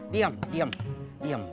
diam diam diam